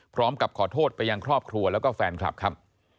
พร้อมกับขอโทษไปยังครอบครัวแล้วก็แฟนคลับครับ